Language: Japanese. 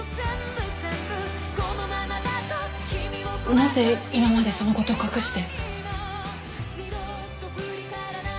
なぜ今までそのことを隠して。